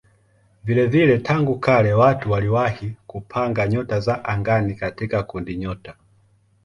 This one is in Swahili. Vilevile tangu kale watu waliwahi kupanga nyota za angani katika kundinyota.